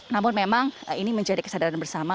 namun memang ini menjadi kesadaran bersama